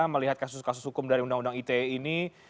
melihat kasus kasus hukum dari undang undang ite ini